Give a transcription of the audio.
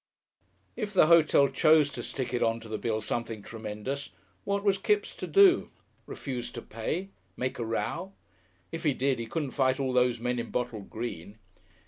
If the hotel chose to stick it on to the bill something tremendous what was Kipps to do? Refuse to pay? Make a row? If he did he couldn't fight all these men in bottle green....